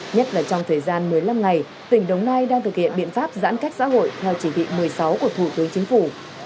nhất là trong thời gian một mươi năm ngày tỉnh đồng nai đang thực hiện biện pháp giãn cách xã hội theo chỉ thị một mươi sáu của thủ tướng chính phủ